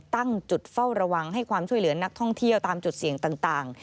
ตั้งจุดเฝ้าระวังให้ความช่วยเหลือนักท่องเที่ยวตามจุดเสี่ยงต่าง